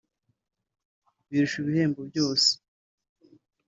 birusha ibihembo byose